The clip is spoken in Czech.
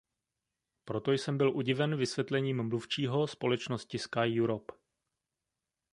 Proto jsem byl udiven vysvětlením mluvčího společnosti SkyEurope.